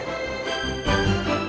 gak ada sayang